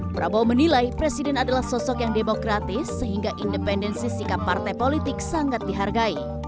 prabowo menilai presiden adalah sosok yang demokratis sehingga independensi sikap partai politik sangat dihargai